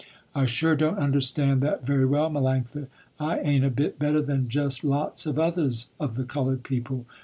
"I sure don't understand that very well, Melanctha. I ain't a bit better than just lots of others of the colored people.